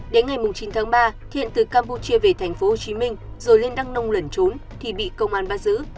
đến ngày chín tháng ba thiện từ campuchia về tp hcm rồi lên đăng nông lẩn trốn thì bị công an bắt giữ